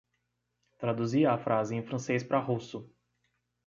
Traduzia a frase em francês para russo